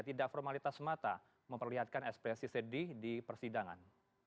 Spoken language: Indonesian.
tidak formalitas mata memperlihatkan ekspresi sedih di persidangan